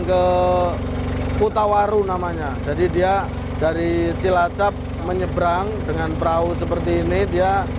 ke kutawaru namanya jadi dia dari cilacap menyeberang dengan perahu seperti ini dia